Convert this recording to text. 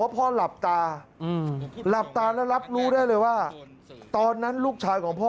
พ่อหลับตาหลับตาแล้วรับรู้ได้เลยว่าตอนนั้นลูกชายของพ่อ